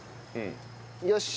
よし！